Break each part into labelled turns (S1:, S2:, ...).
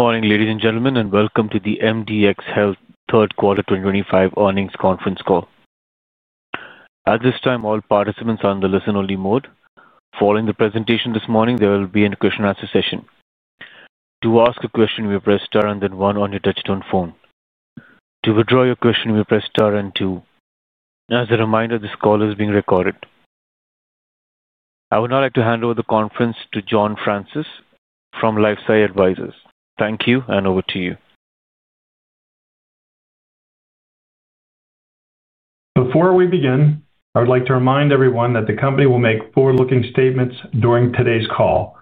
S1: Good morning, ladies and gentlemen, and welcome to the MDxHealth Third Quarter 2025 Earnings Conference Call. At this time, all participants are on the listen-only mode. Following the presentation this morning, there will be a question-and-answer session. To ask a question, you will press star and then one on your touch-tone phone. To withdraw your question, you will press star and two. As a reminder, this call is being recorded. I would now like to hand over the conference to John Fraunces from LifeSci Advisors. Thank you, and over to you.
S2: Before we begin, I would like to remind everyone that the company will make forward-looking statements during today's call.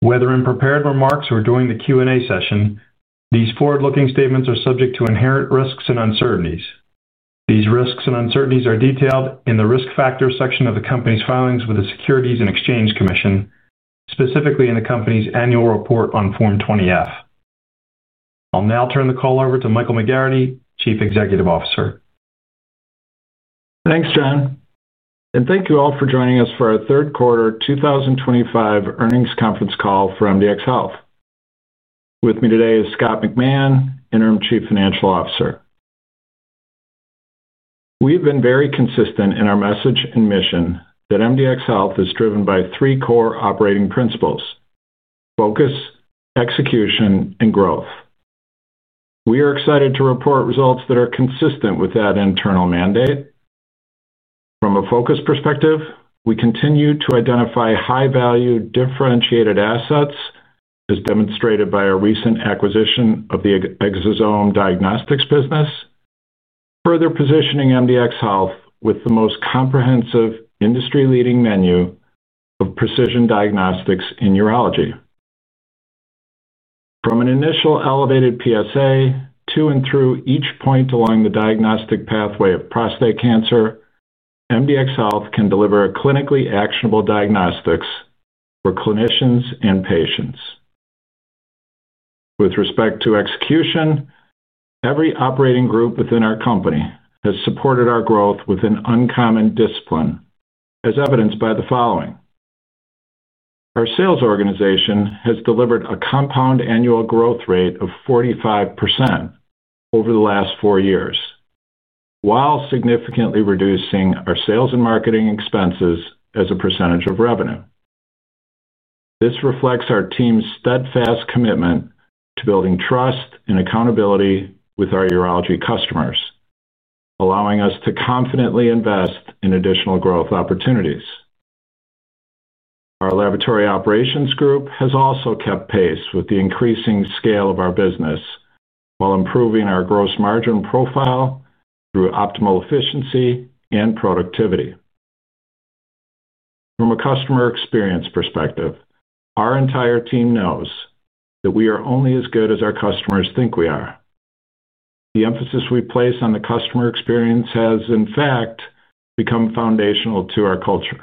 S2: Whether in prepared remarks or during the Q&A session, these forward-looking statements are subject to inherent risks and uncertainties. These risks and uncertainties are detailed in the risk factor section of the company's filings with the Securities and Exchange Commission, specifically in the company's annual report on Form 20F. I'll now turn the call over to Michael McGarrity, Chief Executive Officer.
S3: Thanks, John. Thank you all for joining us for our third quarter 2025 earnings conference call for MDxHealth. With me today is Scott McMahon, Interim Chief Financial Officer. We have been very consistent in our message and mission that MDxHealth is driven by three core operating principles: focus, execution, and growth. We are excited to report results that are consistent with that internal mandate. From a focus perspective, we continue to identify high-value, differentiated assets, as demonstrated by our recent acquisition of the Exosome Diagnostics business, further positioning MDxHealth with the most comprehensive industry-leading menu of precision diagnostics in urology. From an initial elevated PSA to and through each point along the diagnostic pathway of prostate cancer, MDxHealth can deliver clinically actionable diagnostics for clinicians and patients. With respect to execution, every operating group within our company has supported our growth with an uncommon discipline, as evidenced by the following. Our sales organization has delivered a compound annual growth rate of 45% over the last four years, while significantly reducing our sales and marketing expenses as a percentage of revenue. This reflects our team's steadfast commitment to building trust and accountability with our urology customers, allowing us to confidently invest in additional growth opportunities. Our laboratory operations group has also kept pace with the increasing scale of our business while improving our gross margin profile through optimal efficiency and productivity. From a customer experience perspective, our entire team knows that we are only as good as our customers think we are. The emphasis we place on the customer experience has, in fact, become foundational to our culture.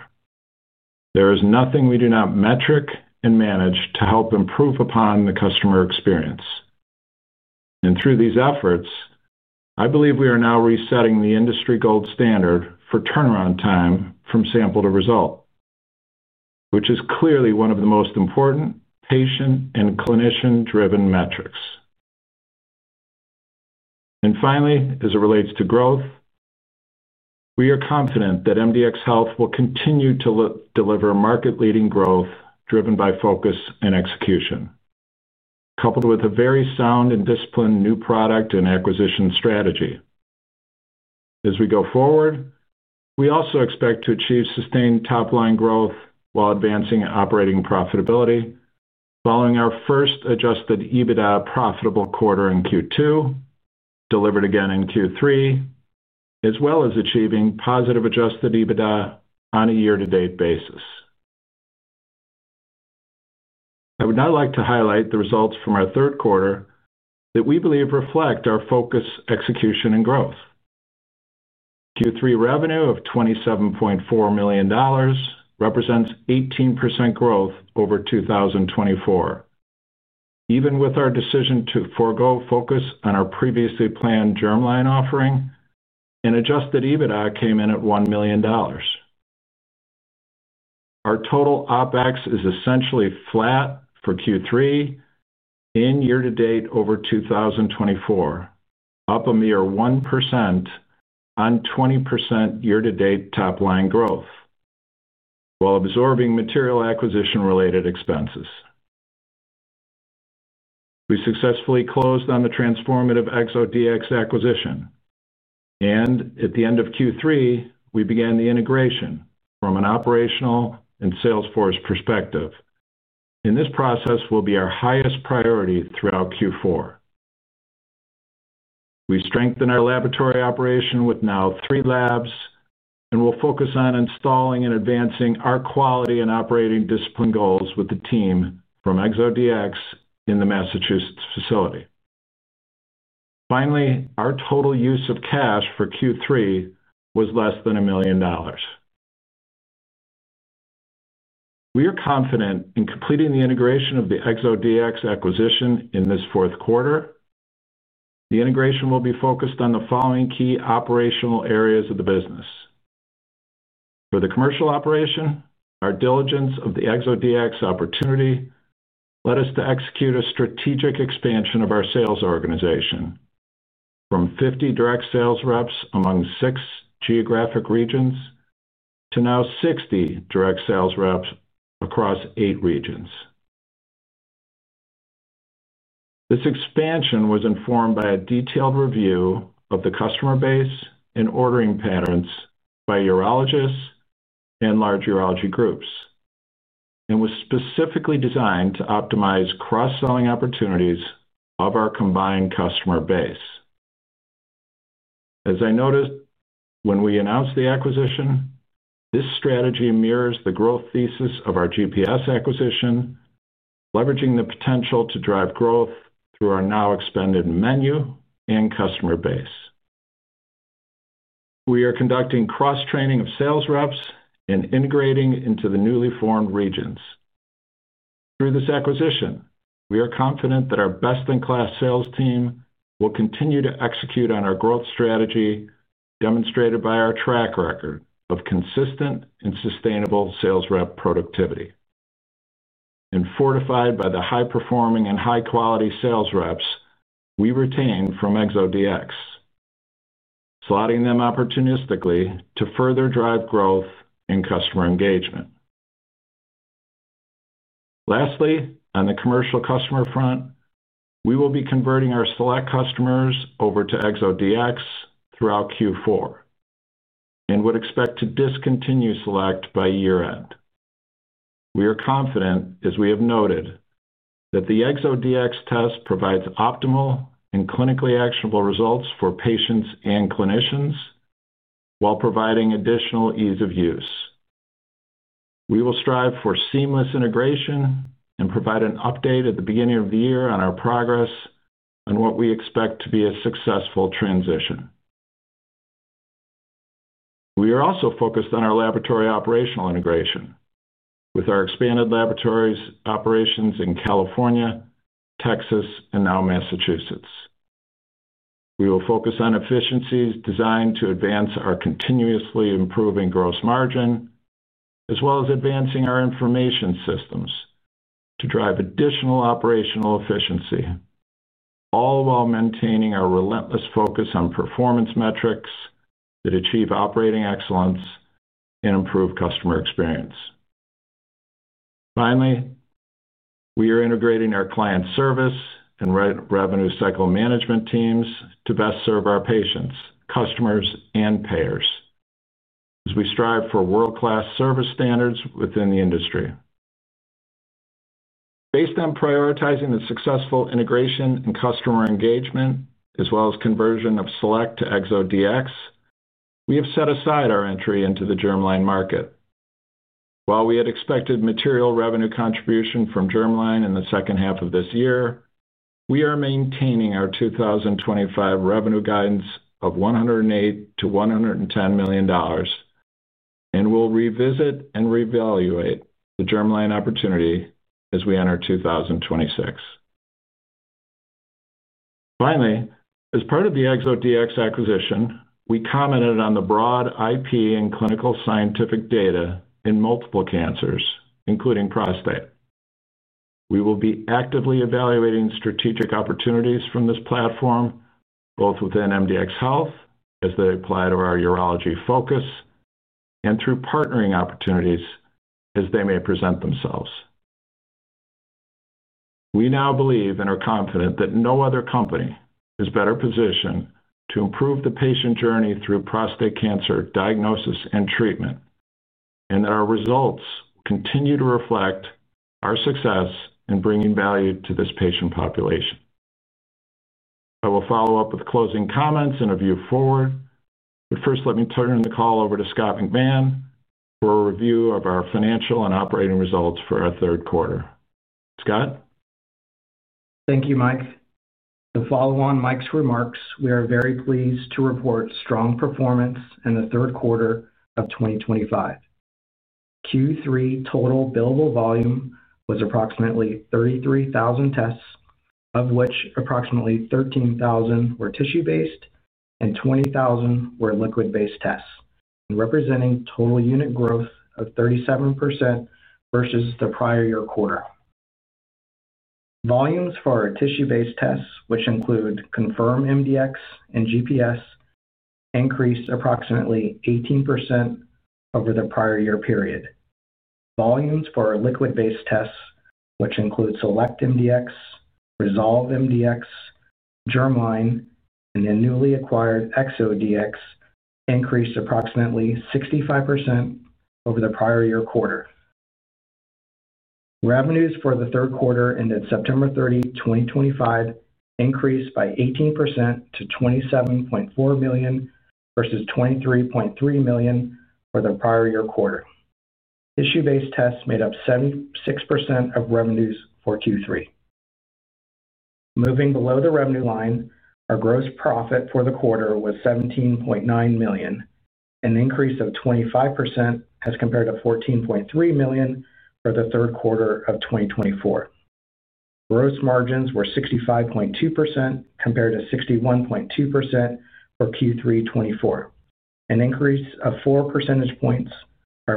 S3: There is nothing we do not metric and manage to help improve upon the customer experience. Through these efforts, I believe we are now resetting the industry gold standard for turnaround time from sample to result, which is clearly one of the most important, patient, and clinician-driven metrics. Finally, as it relates to growth, we are confident that MDxHealth will continue to deliver market-leading growth driven by focus and execution, coupled with a very sound and disciplined new product and acquisition strategy. As we go forward, we also expect to achieve sustained top-line growth while advancing operating profitability following our first adjusted EBITDA profitable quarter in Q2, delivered again in Q3, as well as achieving positive adjusted EBITDA on a year-to-date basis. I would now like to highlight the results from our third quarter that we believe reflect our focus, execution, and growth. Q3 revenue of $27.4 million represents 18% growth over 2024, even with our decision to forgo focus on our previously planned germline offering, and adjusted EBITDA came in at $1 million. Our total OPEX is essentially flat for Q3 and year-to-date over 2024, up a mere 1% on 20% year-to-date top-line growth while absorbing material acquisition-related expenses. We successfully closed on the transformative ExoDx acquisition, and at the end of Q3, we began the integration from an operational and salesforce perspective. This process will be our highest priority throughout Q4. We strengthen our laboratory operation with now three labs, and we'll focus on installing and advancing our quality and operating discipline goals with the team from ExoDx in the Massachusetts facility. Finally, our total use of cash for Q3 was less than $1 million. We are confident in completing the integration of the ExoDx acquisition in this fourth quarter. The integration will be focused on the following key operational areas of the business. For the commercial operation, our diligence of the ExoDx opportunity led us to execute a strategic expansion of our sales organization from 50 direct sales reps among six geographic regions to now 60 direct sales reps across eight regions. This expansion was informed by a detailed review of the customer base and ordering patterns by urologists and large urology groups, and was specifically designed to optimize cross-selling opportunities of our combined customer base. As I noted, when we announced the acquisition, this strategy mirrors the growth thesis of our GPS acquisition, leveraging the potential to drive growth through our now expanded menu and customer base. We are conducting cross-training of sales reps and integrating into the newly formed regions. Through this acquisition, we are confident that our best-in-class sales team will continue to execute on our growth strategy demonstrated by our track record of consistent and sustainable sales rep productivity. Fortified by the high-performing and high-quality sales reps we retained from ExoDx, slotting them opportunistically to further drive growth and customer engagement. Lastly, on the commercial customer front, we will be converting our SelectMDx customers over to ExoDx throughout Q4 and would expect to discontinue Select by year-end. We are confident, as we have noted, that the ExoDx test provides optimal and clinically actionable results for patients and clinicians while providing additional ease of use. We will strive for seamless integration and provide an update at the beginning of the year on our progress and what we expect to be a successful transition. We are also focused on our laboratory operational integration with our expanded laboratory operations in California, Texas, and now Massachusetts. We will focus on efficiencies designed to advance our continuously improving gross margin, as well as advancing our information systems to drive additional operational efficiency, all while maintaining our relentless focus on performance metrics that achieve operating excellence and improve customer experience. Finally, we are integrating our client service and revenue cycle management teams to best serve our patients, customers, and payers as we strive for world-class service standards within the industry. Based on prioritizing the successful integration and customer engagement, as well as conversion of SelectMDx to ExoDx, we have set aside our entry into the germline market. While we had expected material revenue contribution from germline in the second half of this year, we are maintaining our 2025 revenue guidance of $108-$110 million and will revisit and reevaluate the germline opportunity as we enter 2026. Finally, as part of the ExoDx acquisition, we commented on the broad IP and clinical scientific data in multiple cancers, including prostate. We will be actively evaluating strategic opportunities from this platform, both within MDxHealth as they apply to our urology focus and through partnering opportunities as they may present themselves. We now believe and are confident that no other company is better positioned to improve the patient journey through prostate cancer diagnosis and treatment, and that our results continue to reflect our success in bringing value to this patient population. I will follow up with closing comments and a view forward, but first, let me turn the call over to Scott McMahon for a review of our financial and operating results for our third quarter. Scott?
S4: Thank you, Mike. To follow on Mike's remarks, we are very pleased to report strong performance in the third quarter of 2025. Q3 total billable volume was approximately 33,000 tests, of which approximately 13,000 were tissue-based and 20,000 were liquid-based tests, representing total unit growth of 37% versus the prior year quarter. Volumes for our tissue-based tests, which include ConfirmMDx and GPS, increased approximately 18% over the prior year period. Volumes for our liquid-based tests, which include SelectMDx, ResolveMDx, Germline, and the newly acquired ExoDx, increased approximately 65% over the prior year quarter. Revenues for the third quarter ended September 30, 2025, increased by 18% to $27.4 million versus $23.3 million for the prior year quarter. Tissue-based tests made up 76% of revenues for Q3. Moving below the revenue line, our gross profit for the quarter was $17.9 million, an increase of 25% as compared to $14.3 million for the third quarter of 2024. Gross margins were 65.2% compared to 61.2% for Q3 2024. An increase of four percentage points is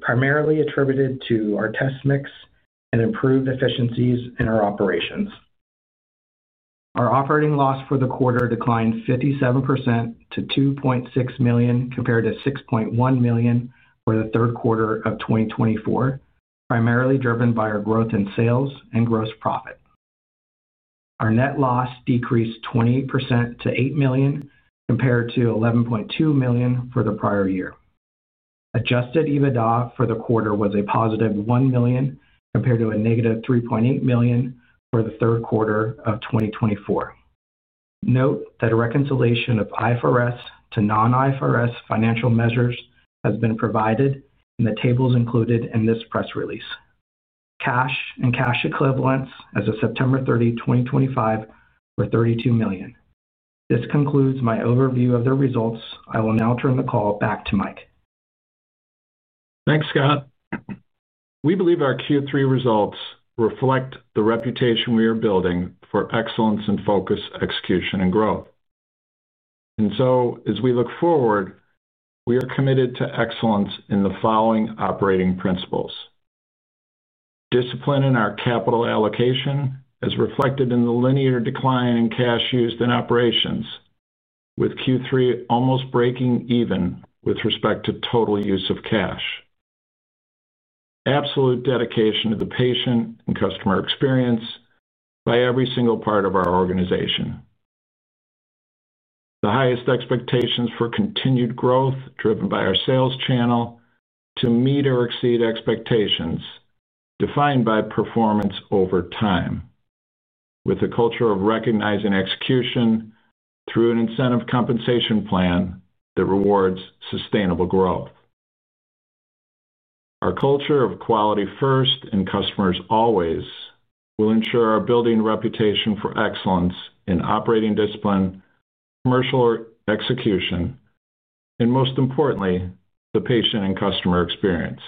S4: primarily attributed to our test mix and improved efficiencies in our operations. Our operating loss for the quarter declined 57% to $2.6 million compared to $6.1 million for the third quarter of 2024, primarily driven by our growth in sales and gross profit. Our net loss decreased 28% to $8 million compared to $11.2 million for the prior year. Adjusted EBITDA for the quarter was a positive $1 million compared to a negative $3.8 million for the third quarter of 2024. Note that a reconciliation of IFRS to non-IFRS financial measures has been provided, and the tables included in this press release. Cash and cash equivalents as of September 30, 2025, were $32 million. This concludes my overview of the results. I will now turn the call back to Mike.
S3: Thanks, Scott. We believe our Q3 results reflect the reputation we are building for excellence in focus, execution, and growth. As we look forward, we are committed to excellence in the following operating principles: discipline in our capital allocation, as reflected in the linear decline in cash used in operations, with Q3 almost breaking even with respect to total use of cash; absolute dedication to the patient and customer experience by every single part of our organization; the highest expectations for continued growth driven by our sales channel to meet or exceed expectations defined by performance over time, with a culture of recognizing execution through an incentive compensation plan that rewards sustainable growth. Our culture of quality first and customers always will ensure our building reputation for excellence in operating discipline, commercial execution, and most importantly, the patient and customer experience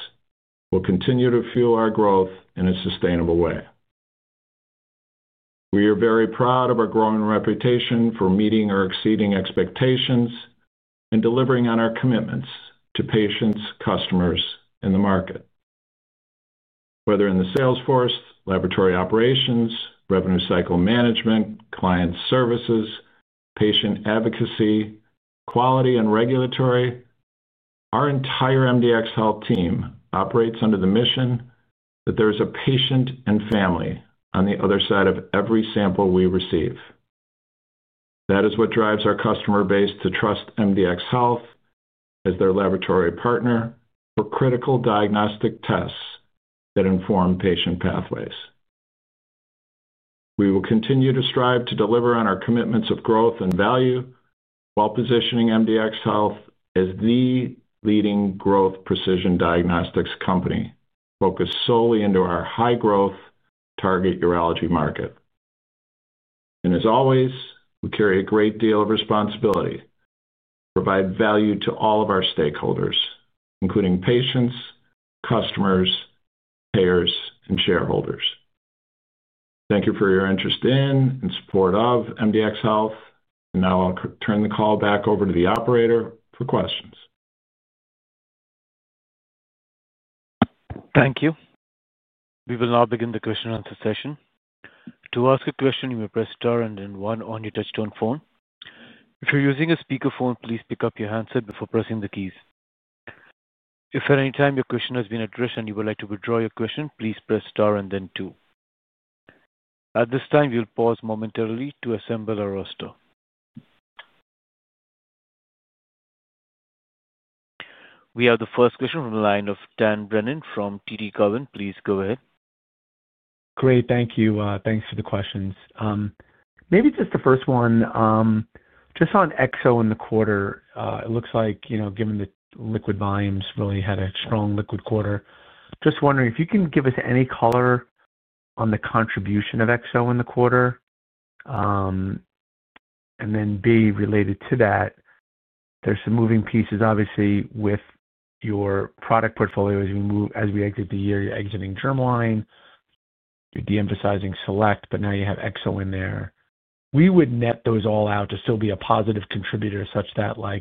S3: will continue to fuel our growth in a sustainable way. We are very proud of our growing reputation for meeting or exceeding expectations and delivering on our commitments to patients, customers, and the market. Whether in the salesforce, laboratory operations, revenue cycle management, client services, patient advocacy, quality, and regulatory, our entire MDxHealth team operates under the mission that there is a patient and family on the other side of every sample we receive. That is what drives our customer base to trust MDxHealth as their laboratory partner for critical diagnostic tests that inform patient pathways. We will continue to strive to deliver on our commitments of growth and value while positioning MDxHealth as the leading growth precision diagnostics company focused solely into our high-growth target urology market. As always, we carry a great deal of responsibility to provide value to all of our stakeholders, including patients, customers, payers, and shareholders. Thank you for your interest in and support of MDxHealth. Now I'll turn the call back over to the operator for questions.
S1: Thank you. We will now begin the question-and-answer session. To ask a question, you may press star and then one on your touch-tone phone. If you're using a speakerphone, please pick up your handset before pressing the keys. If at any time your question has been addressed and you would like to withdraw your question, please press star and then two. At this time, we'll pause momentarily to assemble our roster. We have the first question from the line of Dan Brennan from TD Cowen. Please go ahead.
S5: Great. Thank you. Thanks for the questions. Maybe just the first one. Just on Exo in the quarter, it looks like, given the liquid volumes, really had a strong liquid quarter. Just wondering if you can give us any color on the contribution of Exo in the quarter. B, related to that, there are some moving pieces, obviously, with your product portfolio as we exit the year. You're exiting germline. You're de-emphasizing Select, but now you have Exo in there. We would net those all out to still be a positive contributor such that you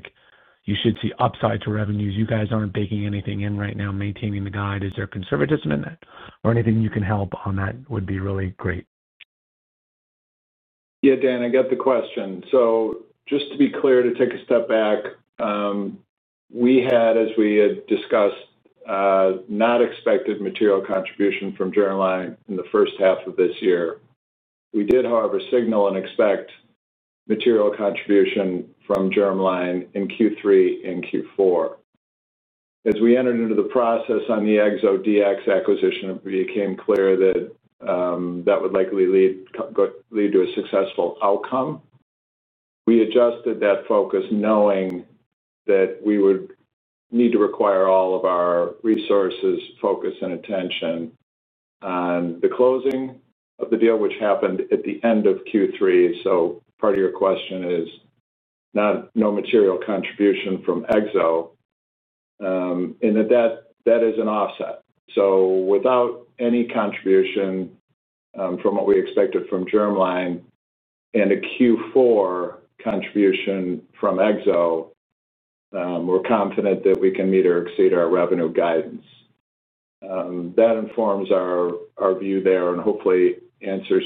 S5: should see upside to revenues. You guys are not baking anything in right now, maintaining the guide. Is there conservatism in that? Or anything you can help on that would be really great.
S3: Yeah, Dan, I got the question. Just to be clear, to take a step back, we had, as we had discussed, not expected material contribution from germline in the first half of this year. We did, however, signal and expect material contribution from germline in Q3 and Q4. As we entered into the process on the ExoDx acquisition, it became clear that that would likely lead to a successful outcome. We adjusted that focus knowing that we would need to require all of our resources, focus, and attention on the closing of the deal, which happened at the end of Q3. Part of your question is no material contribution from Exo, and that that is an offset. Without any contribution from what we expected from germline and a Q4 contribution from Exo, we're confident that we can meet or exceed our revenue guidance. That informs our view there and hopefully answers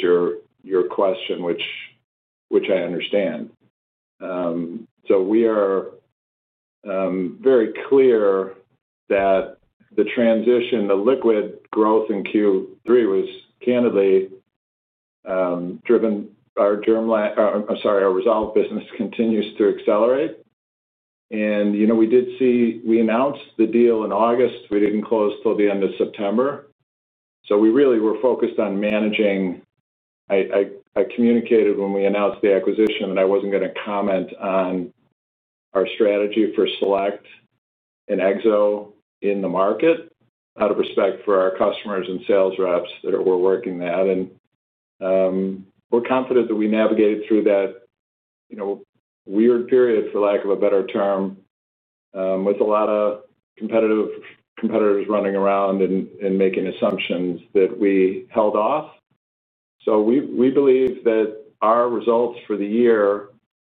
S3: your question, which I understand. We are very clear that the transition, the liquid growth in Q3 was candidly driven by our germline—I'm sorry, our Resolve business continues to accelerate. We did see we announced the deal in August. We did not close till the end of September. We really were focused on managing. I communicated when we announced the acquisition that I was not going to comment on our strategy for Select and Exo in the market out of respect for our customers and sales reps that were working that. We are confident that we navigated through that weird period, for lack of a better term, with a lot of competitors running around and making assumptions that we held off. We believe that our results for the year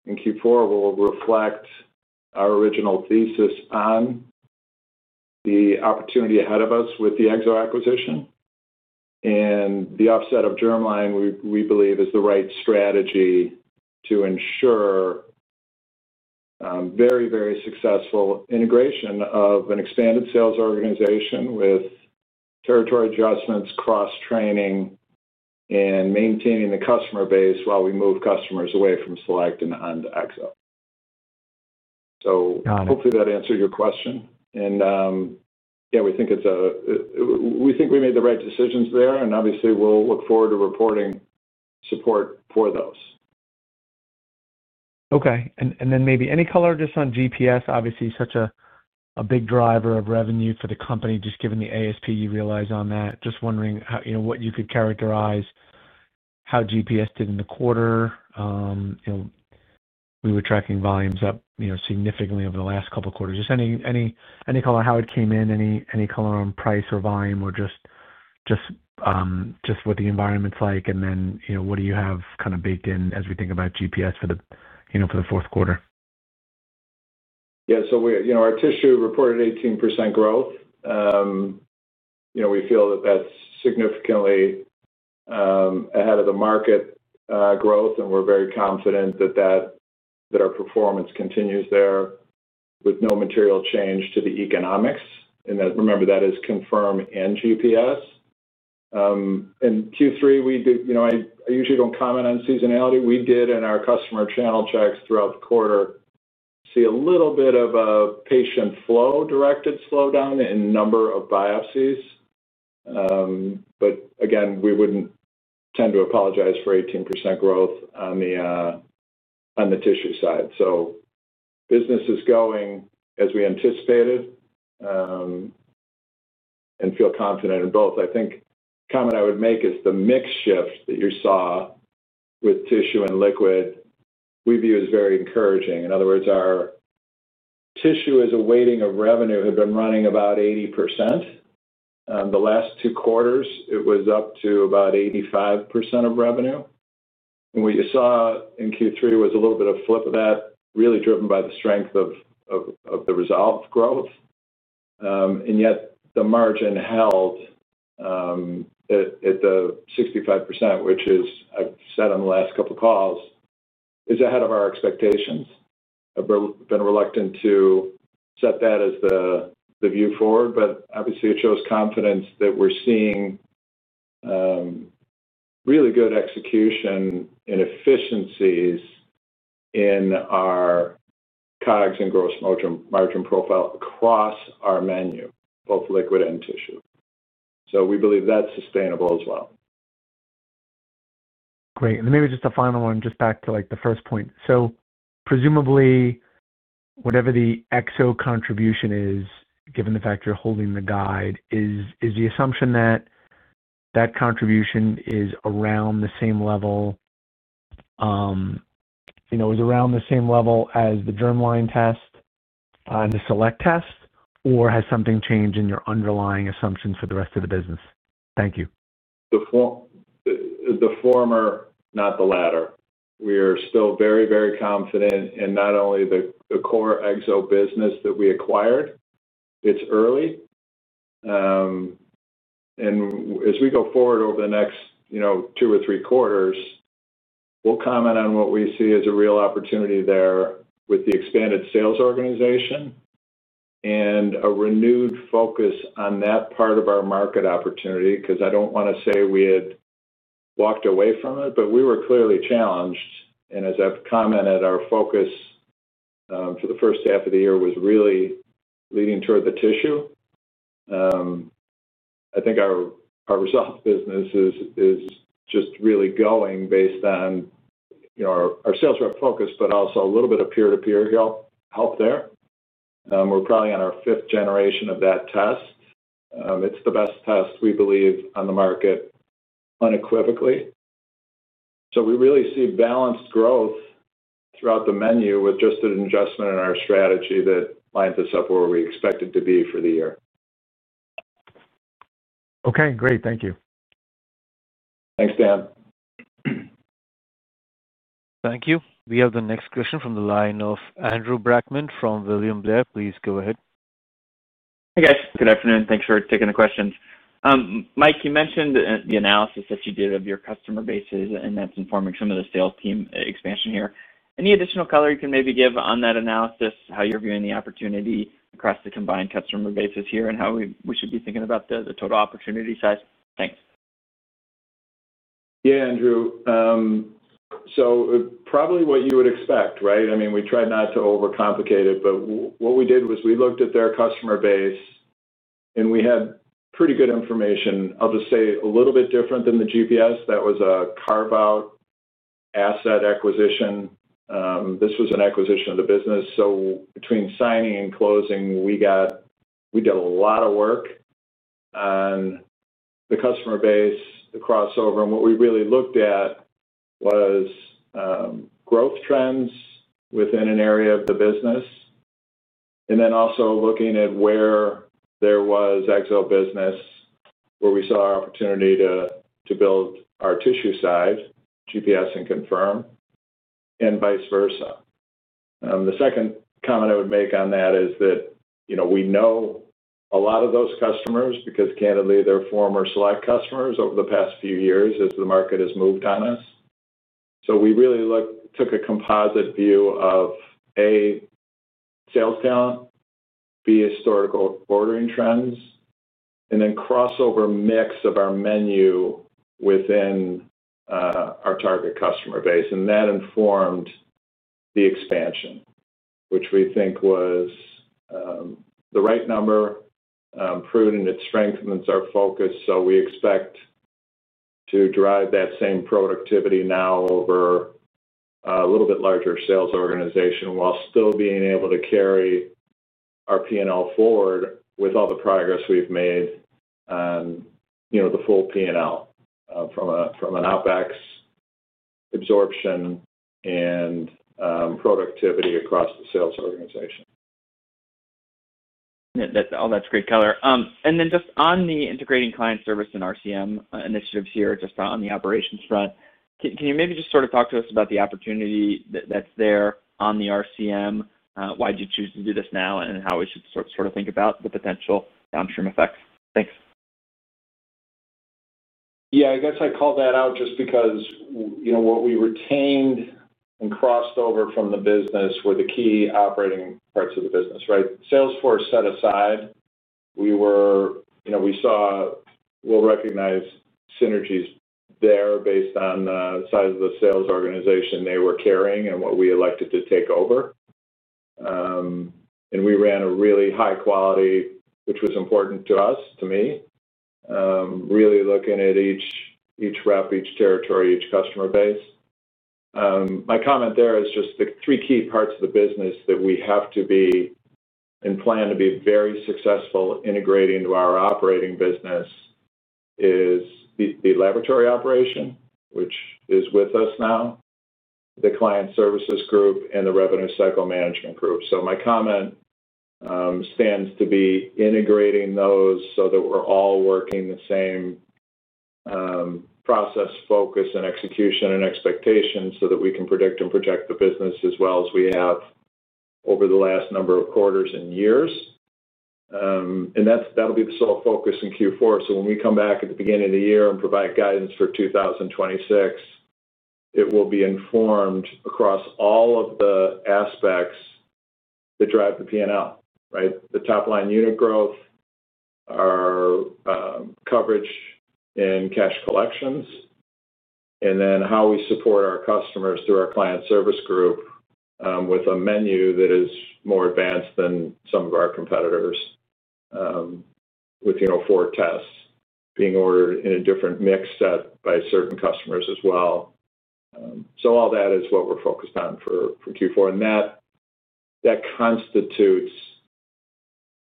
S3: in Q4 will reflect our original thesis on the opportunity ahead of us with the ExoDx acquisition. The offset of germline, we believe, is the right strategy to ensure very, very successful integration of an expanded sales organization with territory adjustments, cross-training, and maintaining the customer base while we move customers away from Select and onto ExoDx. Hopefully that answered your question. Yeah, we think we made the right decisions there, and obviously, we'll look forward to reporting support for those.
S5: Okay. Maybe any color just on GPS, obviously, such a big driver of revenue for the company, just given the ASP you realize on that. Just wondering what you could characterize how GPS did in the quarter. We were tracking volumes up significantly over the last couple of quarters. Any color on how it came in, any color on price or volume, or just what the environment's like, and then what do you have kind of baked in as we think about GPS for the fourth quarter?
S3: Yeah. So our tissue reported 18% growth. We feel that that's significantly ahead of the market growth, and we're very confident that our performance continues there with no material change to the economics. And remember, that is Confirm and GPS. In Q3, we did—I usually do not comment on seasonality. We did, and our customer channel checks throughout the quarter see a little bit of a patient flow-directed slowdown in number of biopsies. But again, we would not tend to apologize for 18% growth on the tissue side. Business is going as we anticipated and feel confident in both. I think the comment I would make is the mix shift that you saw with tissue and liquid, we view as very encouraging. In other words, our tissue as a weighting of revenue had been running about 80%. The last two quarters, it was up to about 85% of revenue. What you saw in Q3 was a little bit of a flip of that, really driven by the strength of the Resolve growth. Yet the margin held at the 65%, which is, as I have said on the last couple of calls, ahead of our expectations. I have been reluctant to set that as the view forward, but obviously, it shows confidence that we are seeing really good execution and efficiencies in our COGS and gross margin profile across our menu, both liquid and tissue. We believe that is sustainable as well.
S5: Great. Maybe just a final one, just back to the first point. Presumably, whatever the Exo contribution is, given the fact you're holding the guide, is the assumption that that contribution is around the same level—is around the same level as the germline test on the Select test, or has something changed in your underlying assumptions for the rest of the business? Thank you.
S3: The former, not the latter. We are still very, very confident in not only the core Exo business that we acquired. It's early. As we go forward over the next two or three quarters, we'll comment on what we see as a real opportunity there with the expanded sales organization and a renewed focus on that part of our market opportunity because I don't want to say we had walked away from it, but we were clearly challenged. As I've commented, our focus for the first half of the year was really leading toward the tissue. I think our Resolve business is just really going based on our sales rep focus, but also a little bit of peer-to-peer help there. We're probably on our fifth generation of that test. It's the best test, we believe, on the market unequivocally. We really see balanced growth throughout the menu with just an adjustment in our strategy that lines us up where we expected to be for the year.
S5: Okay. Great. Thank you.
S3: Thanks, Dan.
S1: Thank you. We have the next question from the line of Andrew Brackman from William Blair. Please go ahead.
S6: Hey, guys. Good afternoon. Thanks for taking the questions. Mike, you mentioned the analysis that you did of your customer bases, and that's informing some of the sales team expansion here. Any additional color you can maybe give on that analysis, how you're viewing the opportunity across the combined customer bases here, and how we should be thinking about the total opportunity size? Thanks.
S3: Yeah, Andrew. Probably what you would expect, right? I mean, we tried not to overcomplicate it, but what we did was we looked at their customer base, and we had pretty good information. I'll just say a little bit different than the GPS. That was a carve-out asset acquisition. This was an acquisition of the business. Between signing and closing, we did a lot of work on the customer base across over. What we really looked at was growth trends within an area of the business, and then also looking at where there was Exo business where we saw our opportunity to build our tissue side, GPS and Confirm, and vice versa. The second comment I would make on that is that we know a lot of those customers because, candidly, they are former Select customers over the past few years as the market has moved on us. We really took a composite view of, A, sales talent, B, historical ordering trends, and then crossover mix of our menu within our target customer base. That informed the expansion, which we think was the right number, proved in its strength amidst our focus. We expect to drive that same productivity now over a little bit larger sales organization while still being able to carry our P&L forward with all the progress we've made on the full P&L from an OpEx absorption and productivity across the sales organization.
S6: Oh, that's great color. Just on the integrating client service and RCM initiatives here, just on the operations front, can you maybe just sort of talk to us about the opportunity that's there on the RCM? Why did you choose to do this now, and how we should sort of think about the potential downstream effects? Thanks.
S3: Yeah. I guess I called that out just because what we retained and crossed over from the business were the key operating parts of the business, right? Salesforce set aside, we saw, we'll recognize synergies there based on the size of the sales organization they were carrying and what we elected to take over. We ran a really high quality, which was important to us, to me, really looking at each rep, each territory, each customer base. My comment there is just the three key parts of the business that we have to be and plan to be very successful integrating to our operating business is the laboratory operation, which is with us now, the client services group, and the revenue cycle management group. My comment stands to be integrating those so that we're all working the same process, focus, and execution and expectations so that we can predict and protect the business as well as we have over the last number of quarters and years. That'll be the sole focus in Q4. When we come back at the beginning of the year and provide guidance for 2026, it will be informed across all of the aspects that drive the P&L, right? The top-line unit growth, our coverage in cash collections, and then how we support our customers through our client service group with a menu that is more advanced than some of our competitors with four tests being ordered in a different mix set by certain customers as well. All that is what we're focused on for Q4. That constitutes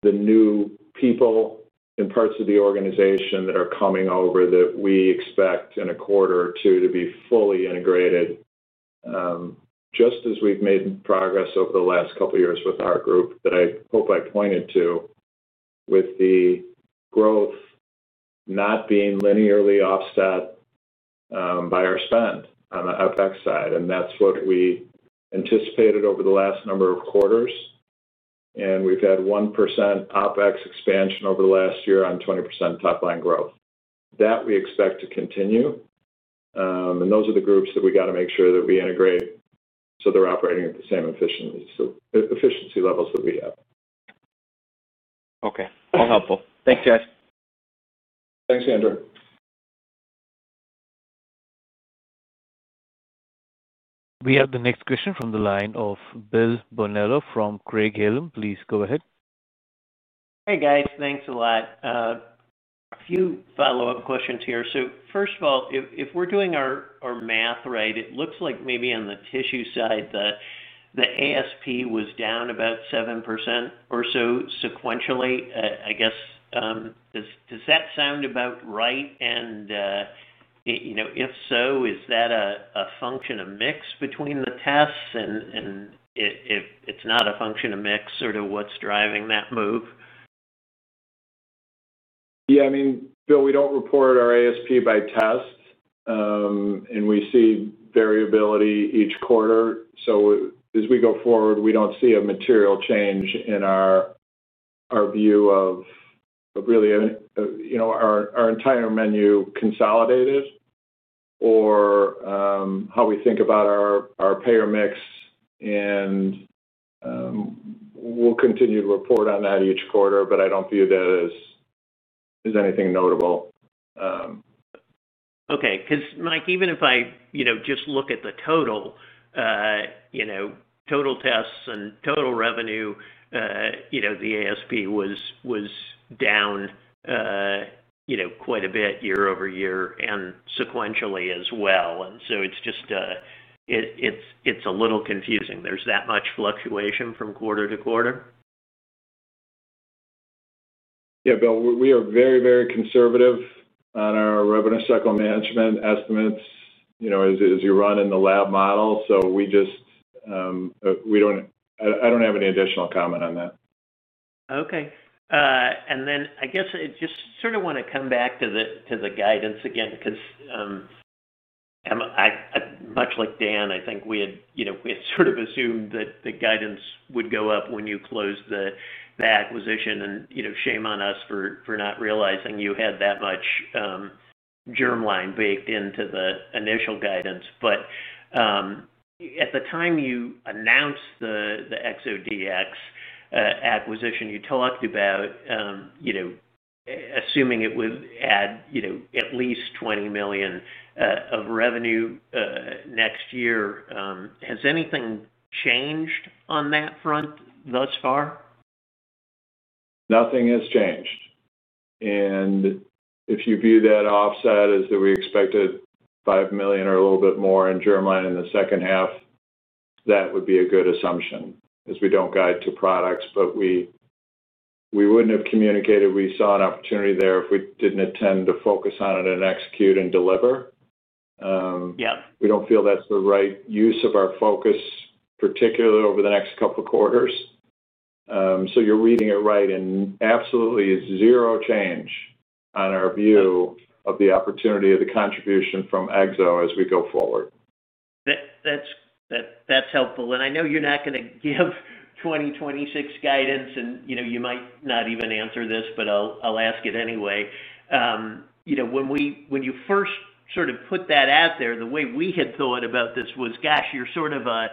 S3: the new people and parts of the organization that are coming over that we expect in a quarter or two to be fully integrated, just as we have made progress over the last couple of years with our group that I hope I pointed to with the growth not being linearly offset by our spend on the outback side. That is what we anticipated over the last number of quarters. We have had 1% outback expansion over the last year on 20% top-line growth. That we expect to continue. Those are the groups that we have to make sure that we integrate so they are operating at the same efficiency levels that we have.
S6: Okay. All helpful. Thanks, guys.
S3: Thanks, Andrew.
S1: We have the next question from the line of Bill Bonello from Craig-Hallum. Please go ahead.
S7: Hey, guys. Thanks a lot. A few follow-up questions here. First of all, if we're doing our math right, it looks like maybe on the tissue side that the ASP was down about 7% or so sequentially. I guess, does that sound about right? If so, is that a function of mix between the tests? If it's not a function of mix, sort of what's driving that move?
S3: Yeah. I mean, Bill, we don't report our ASP by tests, and we see variability each quarter. As we go forward, we don't see a material change in our view of really our entire menu consolidated or how we think about our payer mix. We'll continue to report on that each quarter, but I don't view that as anything notable.
S7: Okay. Because, Mike, even if I just look at the total tests and total revenue, the ASP was down quite a bit year over year and sequentially as well. It is just a little confusing. There is that much fluctuation from quarter to quarter?
S3: Yeah, Bill. We are very, very conservative on our revenue cycle management estimates as you run in the lab model. So we do not have any additional comment on that.
S7: Okay. I guess I just sort of want to come back to the guidance again because much like Dan, I think we had sort of assumed that the guidance would go up when you closed the acquisition. Shame on us for not realizing you had that much germline baked into the initial guidance. At the time you announced the ExoDx acquisition you talked about assuming it would add at least $20 million of revenue next year. Has anything changed on that front thus far?
S3: Nothing has changed. If you view that offset as that we expected $5 million or a little bit more in germline in the second half, that would be a good assumption because we do not guide to products, but we would not have communicated we saw an opportunity there if we did not intend to focus on it and execute and deliver. We do not feel that is the right use of our focus, particularly over the next couple of quarters. You are reading it right. Absolutely, zero change on our view of the opportunity of the contribution from Exo as we go forward.
S7: That's helpful. I know you're not going to give 2026 guidance, and you might not even answer this, but I'll ask it anyway. When you first sort of put that out there, the way we had thought about this was, "Gosh, you're sort of a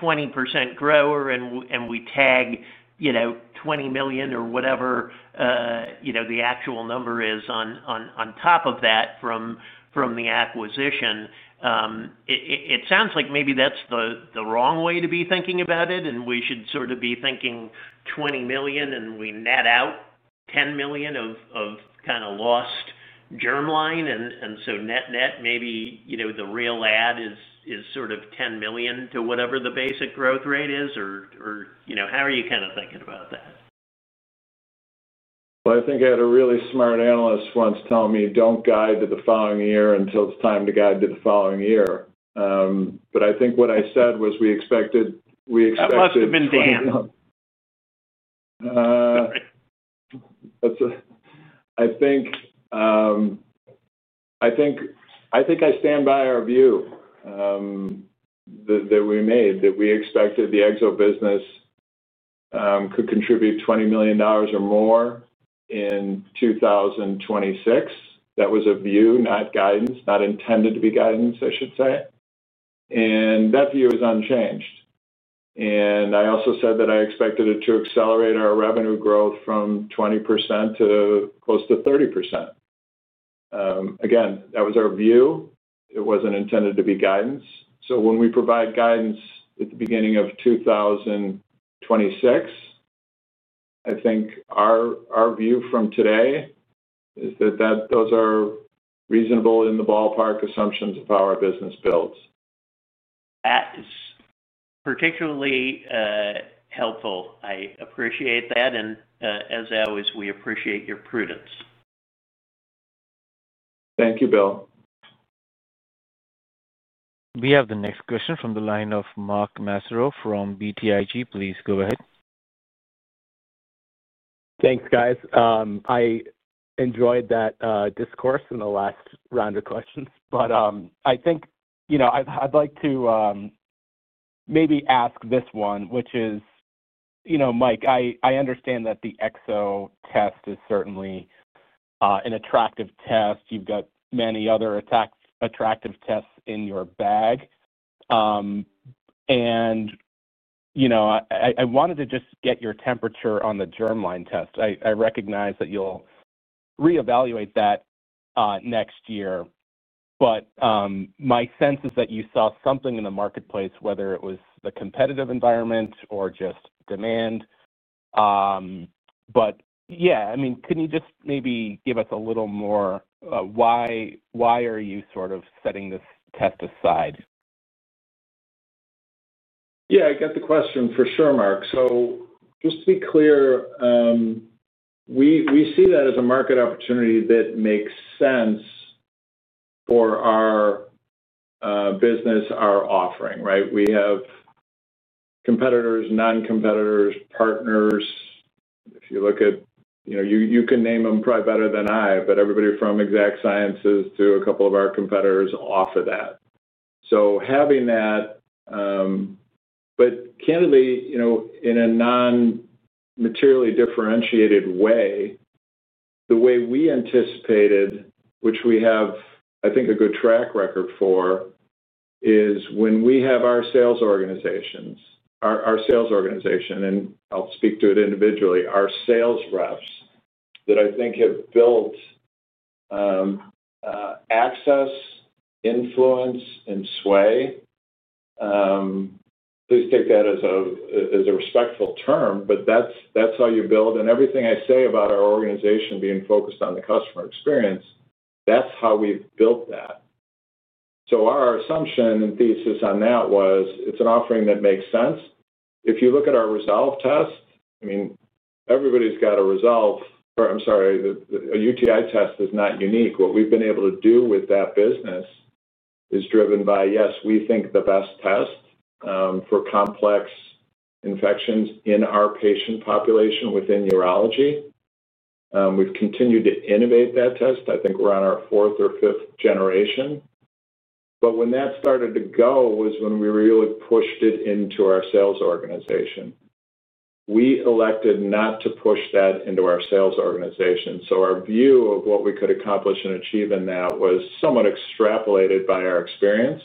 S7: 20% grower, and we tag $20 million or whatever the actual number is on top of that from the acquisition." It sounds like maybe that's the wrong way to be thinking about it, and we should sort of be thinking $20 million, and we net out $10 million of kind of lost germline. Net-net, maybe the real add is sort of $10 million to whatever the basic growth rate is. How are you kind of thinking about that?
S3: I think I had a really smart analyst once tell me, "Don't guide to the following year until it's time to guide to the following year." I think what I said was we expected.
S7: That must have been Dan.
S3: I think I stand by our view that we made that we expected the Exo business could contribute $20 million or more in 2026. That was a view, not guidance, not intended to be guidance, I should say. That view is unchanged. I also said that I expected it to accelerate our revenue growth from 20% to close to 30%. Again, that was our view. It was not intended to be guidance. When we provide guidance at the beginning of 2026, I think our view from today is that those are reasonable in the ballpark assumptions of how our business builds.
S7: That is particularly helpful. I appreciate that. As always, we appreciate your prudence.
S3: Thank you, Bill.
S1: We have the next question from the line of Mark Massarow from BTIG. Please go ahead.
S8: Thanks, guys. I enjoyed that discourse in the last round of questions. I think I'd like to maybe ask this one, which is, Mike, I understand that the ExoDx test is certainly an attractive test. You've got many other attractive tests in your bag. I wanted to just get your temperature on the germline test. I recognize that you'll reevaluate that next year. My sense is that you saw something in the marketplace, whether it was the competitive environment or just demand. Yeah, I mean, couldn't you just maybe give us a little more? Why are you sort of setting this test aside?
S3: Yeah. I get the question for sure, Mark. Just to be clear, we see that as a market opportunity that makes sense for our business, our offering, right? We have competitors, non-competitors, partners. If you look at, you can name them probably better than I, but everybody from Exact Sciences to a couple of our competitors offer that. Having that, but candidly, in a non-materially differentiated way, the way we anticipated, which we have, I think, a good track record for, is when we have our sales organization, and I'll speak to it individually, our sales reps that I think have built access, influence, and sway. Please take that as a respectful term, but that's how you build. Everything I say about our organization being focused on the customer experience, that's how we've built that. Our assumption and thesis on that was it's an offering that makes sense. If you look at our Resolve test, I mean, everybody's got a Resolve or, I'm sorry, a UTI test is not unique. What we've been able to do with that business is driven by, yes, we think the best test for complex infections in our patient population within urology. We've continued to innovate that test. I think we're on our fourth or fifth generation. When that started to go was when we really pushed it into our sales organization. We elected not to push that into our sales organization. Our view of what we could accomplish and achieve in that was somewhat extrapolated by our experience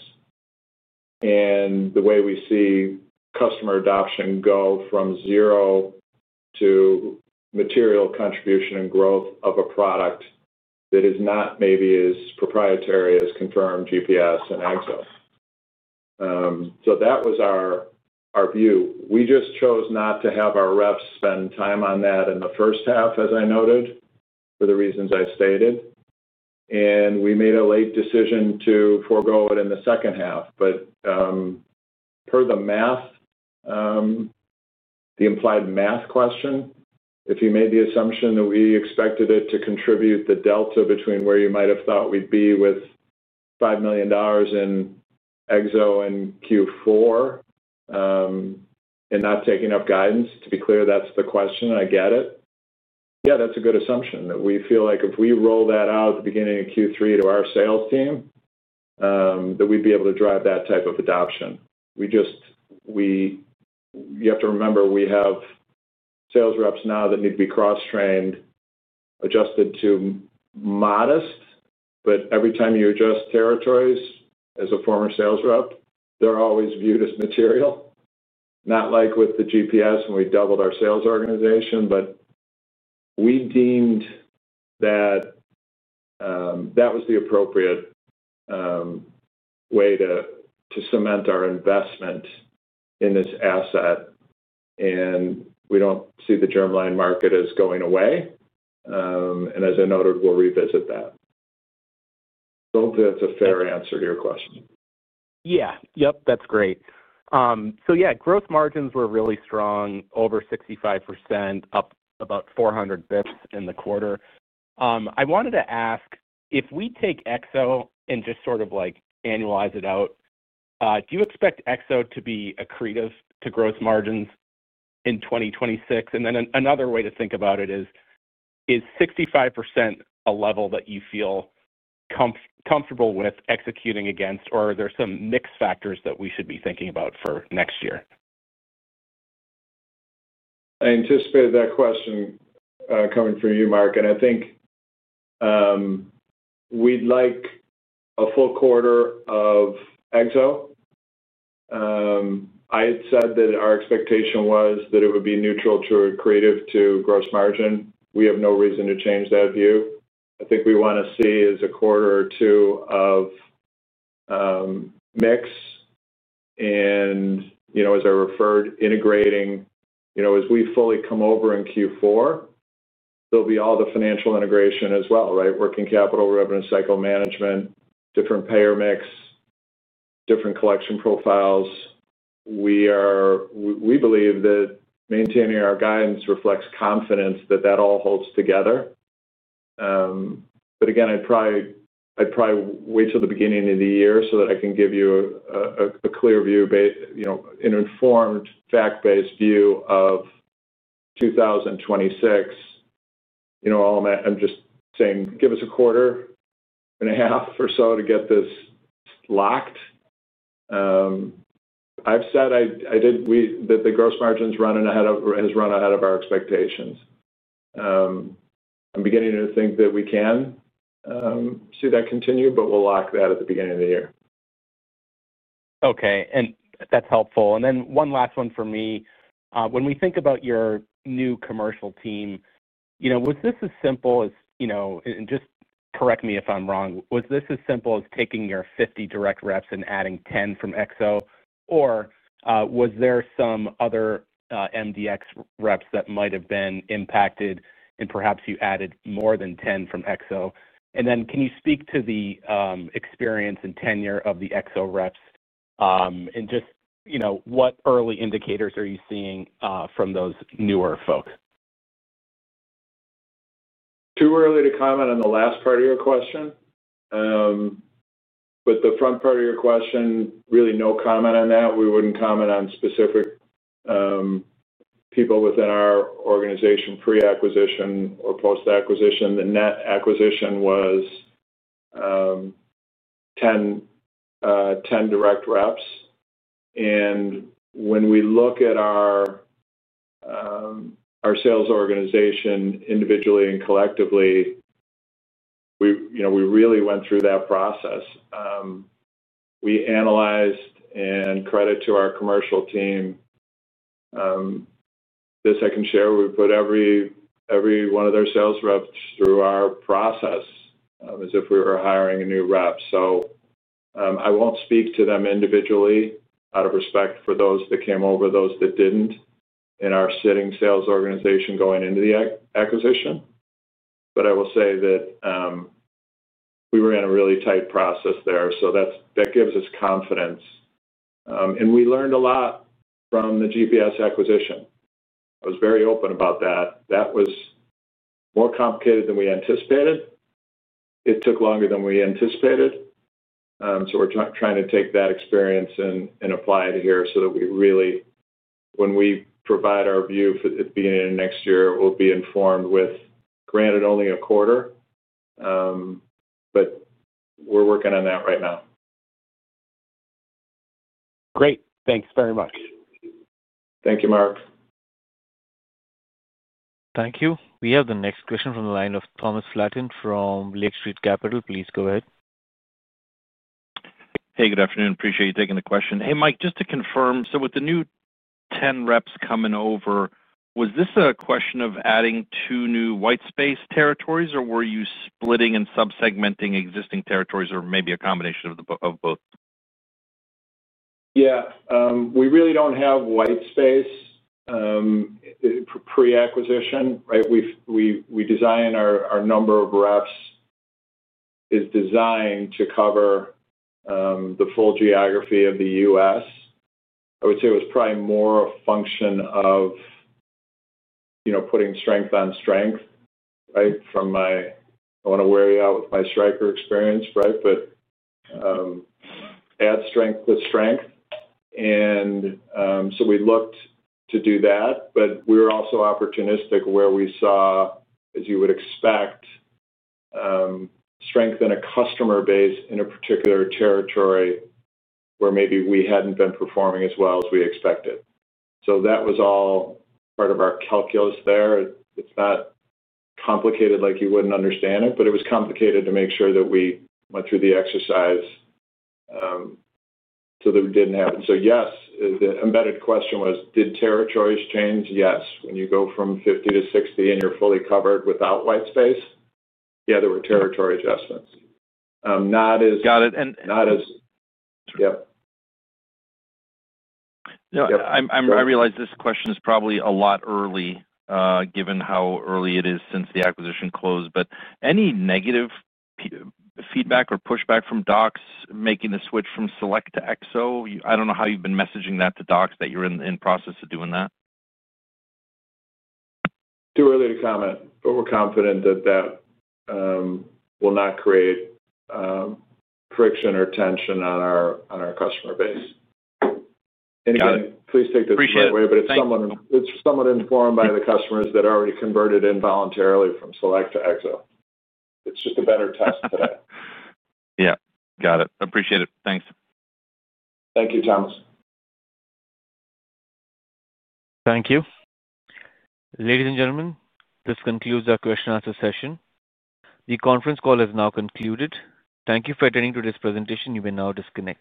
S3: and the way we see customer adoption go from zero to material contribution and growth of a product that is not maybe as proprietary as Confirm, GPS, and ExoDx. That was our view. We just chose not to have our reps spend time on that in the first half, as I noted, for the reasons I stated. We made a late decision to forgo it in the second half. Per the math, the implied math question, if you made the assumption that we expected it to contribute the delta between where you might have thought we would be with $5 million in ExoDx in Q4 and not taking up guidance, to be clear, that is the question. I get it. Yeah, that's a good assumption that we feel like if we roll that out at the beginning of Q3 to our sales team, that we'd be able to drive that type of adoption. You have to remember we have sales reps now that need to be cross-trained, adjusted to modest. Every time you adjust territories as a former sales rep, they're always viewed as material, not like with the GPS when we doubled our sales organization. We deemed that that was the appropriate way to cement our investment in this asset. We don't see the germline market as going away. As I noted, we'll revisit that. Hopefully, that's a fair answer to your question.
S8: Yeah. Yep. That's great. Yeah, gross margins were really strong, over 65%, up about 400 basis points in the quarter. I wanted to ask, if we take Exo and just sort of annualize it out, do you expect Exo to be accretive to gross margins in 2026? Another way to think about it is, is 65% a level that you feel comfortable with executing against, or are there some mix factors that we should be thinking about for next year?
S3: I anticipated that question coming from you, Mark. I think we'd like a full quarter of Exo. I had said that our expectation was that it would be neutral to accretive to gross margin. We have no reason to change that view. I think we want to see a quarter or two of mix. As I referred, integrating, as we fully come over in Q4, there will be all the financial integration as well, right? Working capital, revenue cycle management, different payer mix, different collection profiles. We believe that maintaining our guidance reflects confidence that that all holds together. Again, I'd probably wait till the beginning of the year so that I can give you a clear view, an informed fact-based view of 2026. I'm just saying, give us a quarter and a half or so to get this locked. I've said I did. That the gross margins running ahead of has run ahead of our expectations. I'm beginning to think that we can see that continue, but we'll lock that at the beginning of the year.
S8: Okay. That is helpful. One last one for me. When we think about your new commercial team, was this as simple as—just correct me if I'm wrong—was this as simple as taking your 50 direct reps and adding 10 from Exo? Or was there some other MDx reps that might have been impacted, and perhaps you added more than 10 from Exo? Can you speak to the experience and tenure of the Exo reps? What early indicators are you seeing from those newer folks?
S3: Too early to comment on the last part of your question. The front part of your question, really no comment on that. We would not comment on specific people within our organization pre-acquisition or post-acquisition. The net acquisition was 10 direct reps. When we look at our sales organization individually and collectively, we really went through that process. We analyzed and credit to our commercial team. This I can share. We put every one of their sales reps through our process as if we were hiring a new rep. I will not speak to them individually out of respect for those that came over, those that did not in our sitting sales organization going into the acquisition. I will say that we were in a really tight process there. That gives us confidence. We learned a lot from the GPS acquisition. I was very open about that. That was more complicated than we anticipated. It took longer than we anticipated. We're trying to take that experience and apply it here so that we really, when we provide our view for it being in next year, we'll be informed with, granted, only a quarter. We're working on that right now.
S8: Great. Thanks very much.
S3: Thank you, Mark.
S1: Thank you. We have the next question from the line of Thomas Flatten from Lake Street Capital. Please go ahead.
S9: Hey, good afternoon. Appreciate you taking the question. Hey, Mike, just to confirm. With the new 10 reps coming over, was this a question of adding two new white space territories, or were you splitting and subsegmenting existing territories, or maybe a combination of both?
S3: Yeah. We really do not have white space pre-acquisition, right? We design our number of reps is designed to cover the full geography of the U.S. I would say it was probably more a function of putting strength on strength, right? I want to wear you out with my Stryker experience, right? Add strength with strength. We looked to do that. We were also opportunistic where we saw, as you would expect, strength in a customer base in a particular territory where maybe we had not been performing as well as we expected. That was all part of our calculus there. It is not complicated like you would not understand it, but it was complicated to make sure that we went through the exercise so that we did not have it. Yes, the embedded question was, did territories change? Yes. When you go from 50 to 60 and you're fully covered without white space, yeah, there were territory adjustments. Not as.
S9: Got it.
S3: Not as. Yep.
S9: Yeah. I realize this question is probably a lot early given how early it is since the acquisition closed. Any negative feedback or pushback from Docs making the switch from Select to Exo? I do not know how you have been messaging that to Docs that you are in the process of doing that.
S3: Too early to comment, but we're confident that that will not create friction or tension on our customer base.
S9: Okay.
S3: Anyway, please take this the other way.
S9: Appreciate it.
S3: It is somewhat informed by the customers that are already converted involuntarily from Select to Exo. It is just a better test today.
S9: Yeah. Got it. Appreciate it. Thanks.
S3: Thank you, Thomas.
S1: Thank you. Ladies and gentlemen, this concludes our question-answer session. The conference call is now concluded. Thank you for attending today's presentation. You may now disconnect.